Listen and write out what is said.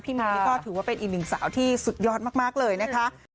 นี่ก็ถือว่าเป็นอีกหนึ่งสาวที่สุดยอดมากเลยนะคะ